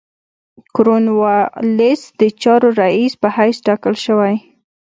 کورن والیس د چارو رییس په حیث تاکل شوی.